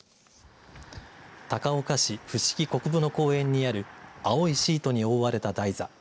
高岡市伏木国分の公園にある青いシートに覆われた台座